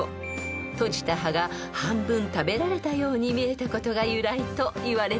［閉じた葉が半分食べられたように見えたことが由来といわれています］